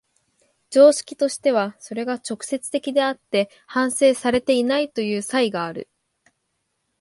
常識としてはそれが直接的であって反省されていないという差異がある。